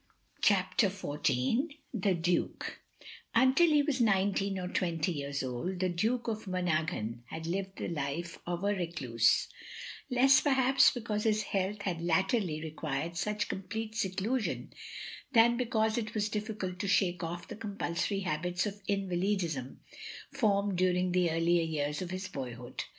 " CHAPTER XIV THE DUKE Until he was nineteen or twenty years old the Diike of Monaghan had lived the life of a recluse ; less perhaps because his health had latterly reqtdred such complete seclusion, than because it was difficult to shake off the compulsory habits of invalidism formed during the earlier year^ of his boyhood.